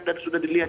dan sudah dilihat